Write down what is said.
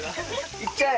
いっちゃえ！